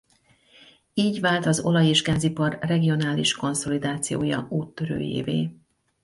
Így vált az olaj- és gázipar regionális konszolidációja úttörőjévé.